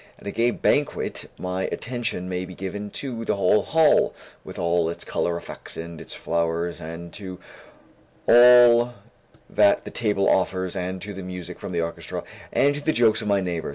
At a gay banquet, my attention may be given to the whole hall with all its color effects and its flowers, and to all that the table offers and to the music from the orchestra and to the jokes of my neighbors.